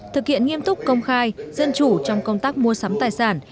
thực hiện nghiêm túc công khai dân chủ trong công tác mua sắm tài sản